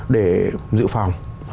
để giữ phòng